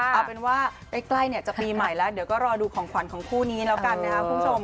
เอาเป็นว่าใกล้เนี่ยจะปีใหม่แล้วเดี๋ยวก็รอดูของขวัญของคู่นี้แล้วกันนะครับคุณผู้ชม